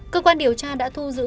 cơ quan điều tra đã thu giữ